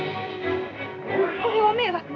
これは迷惑な。